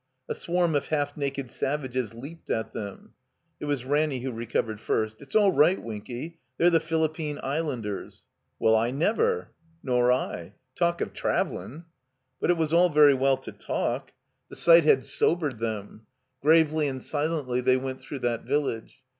A swarm of half naked savages leaped at them. It was Ranny who recovered first. "It's all right, Winky. They're the Philippine Islanders." ''Well, I never " "NorL Talk of travelin'— " But it was all very well to talk. The sight had 36s THE COMBINED MAZE sobered them. Gravely and silently they went through that village.